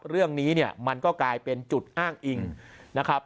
เรื่องนี้เนี่ยมันก็กลายเป็นจุดอ้างอิงนะครับ